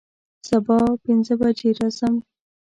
سبا پنځه بجې راځم